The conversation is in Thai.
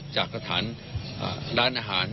จากสถานร้านอาหาร